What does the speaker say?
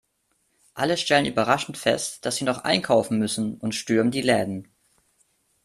Alle stellen überrascht fest, dass sie noch einkaufen müssen, und stürmen die Läden.